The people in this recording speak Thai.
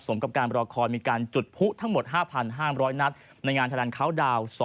สมกับการรอคอยมีการจุดพุทั้งหมด๕๕๐๐นัด